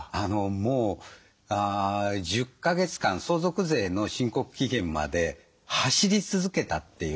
もう１０か月間相続税の申告期限まで走り続けたという感じです。